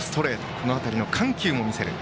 この辺りの緩急も見せる南。